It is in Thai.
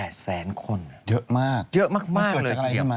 เยอะมากมันเกิดจากอะไรนี่มั้ยเยอะมากเลยทีเดียว